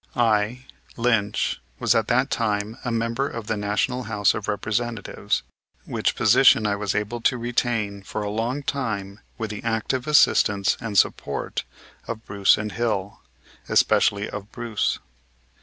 I, Lynch, was at that time a member of the National House of Representatives, which position I was able to retain for a long time with the active assistance and support of Bruce and Hill, especially of Bruce.